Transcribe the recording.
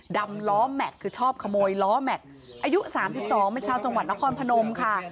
ดำล้อแม็กซ์คือชอบขโมยล้อแม็กซ์อายุ๓๒เป็นชาวจังหวัดนครพนมค่ะ